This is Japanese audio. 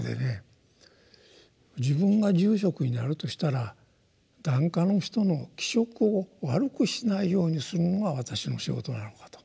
自分が住職になるとしたら檀家の人の気色を悪くしないようにするのが私の仕事なのかと。